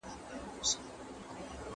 غل چي غلا کوي، قرآن په بغل کي ورسره گرځوي.